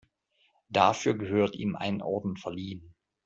Dafür gehört ihm ein Orden verliehen.